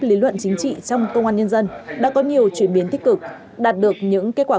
lý luận chính trị trong công an nhân dân đã có nhiều chuyển biến tích cực đạt được những kết quả